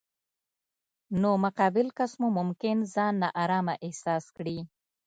نو مقابل کس مو ممکن ځان نا ارامه احساس کړي.